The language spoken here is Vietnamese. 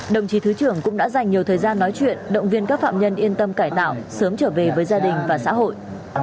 đồng chí thứ trưởng cũng đã dành nhiều thời gian nói chuyện động viên các phạm nhân yên tâm cải tạo sớm trở về với gia đình và xã hội